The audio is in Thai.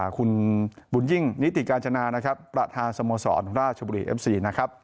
คุณบุญยิ่งนิติกาจนาประธาสมสรรค์ราชบุรีเอ็มซี